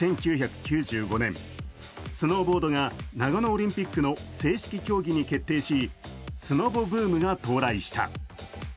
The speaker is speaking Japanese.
１９９５年、スノーボードが長野オリンピックの正式競技に決定し、スノボブームが到来した。